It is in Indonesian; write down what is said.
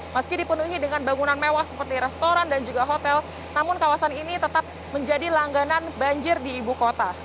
meski dipenuhi dengan bangunan mewah seperti restoran dan juga hotel namun kawasan ini tetap menjadi langganan banjir di ibu kota